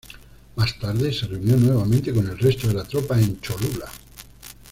Más tarde se reunió nuevamente con el resto de la tropa en Cholula.